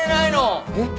えっ？